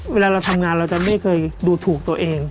เวลาเราทำงานเราจะไม่เคยดูถูกตัวเอง